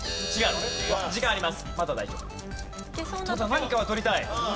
何かは取りたい。